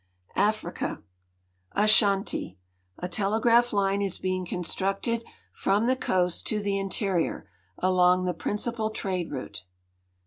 AFRICA Asuanti. a telegraph line is being constructed from the coast to the interior, along the principal trade route.